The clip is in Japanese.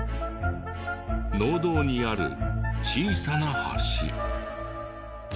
農道にある小さな橋。